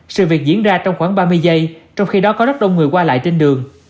sự việc diễn ra trong khoảng ba mươi giây trong khi đó có rất đông người qua lại trên đường